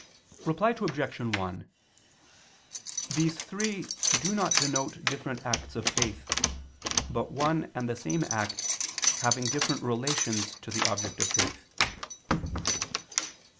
Reply Obj. 1: These three do not denote different acts of faith, but one and the same act having different relations to the object of faith.